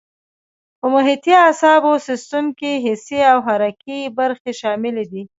په محیطي اعصابو سیستم کې حسي او حرکي برخې شاملې دي.